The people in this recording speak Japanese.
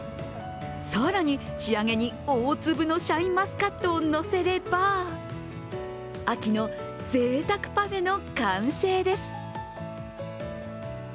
更に仕上げに大粒のシャインマスカットをのせれば秋のぜいたくパフェの完成です。